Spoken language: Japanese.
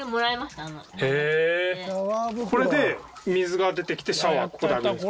これで水が出てきてシャワーになるんですか？